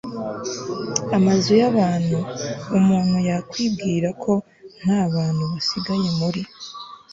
amazu y'abantu! umuntu yakwibwira ko nta bantu basigaye muri